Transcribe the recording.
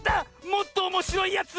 もっとおもしろいやつ！